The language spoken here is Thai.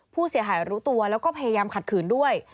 ผู้เสียหายรู้ตัวแล้วก็พยายามขัดขืนด้วย